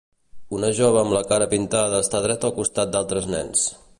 una jove amb la cara pintada està dreta al costat d'altres nens.